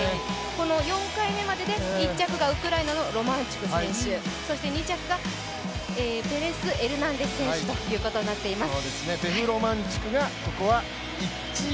４回目までで１着がウクライナのロマンチュク選手、そして２着がペレスエルナンデス選手ということになっています。